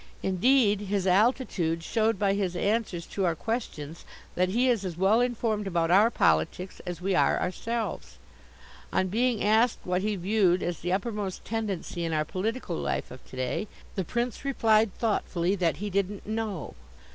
Indeed, His Altitude showed by his answers to our questions that he is as well informed about our politics as we are ourselves. On being asked what he viewed as the uppermost tendency in our political life of to day, the Prince replied thoughtfully that he didn't know.